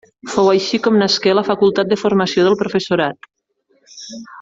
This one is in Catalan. Fou així com nasqué la Facultat de Formació del Professorat.